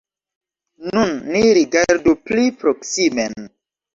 Nun ni rigardu pli proksimen.